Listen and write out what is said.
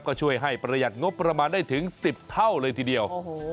ก็ช่วยให้ประหยัดงบประมาณได้ถึง๑๐เท่าเลยทีเดียว